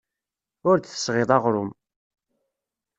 Ur d-tesɣiḍ aɣrum.